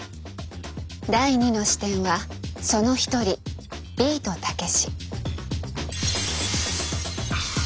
第２の視点はその一人ビートたけし。